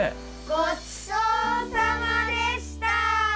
ごちそうさまでした！